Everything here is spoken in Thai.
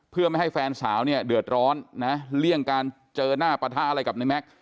เพื่อไม่ให้แฟนสาวเนี่ยเดือดร้อนนะเลี่ยงการเจอหน้าปะทะอะไรกับในแม็กซ์